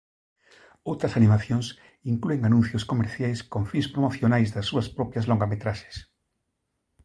Outras animacións inclúen anuncios comerciais con fins promocionais das súas propias longametraxes.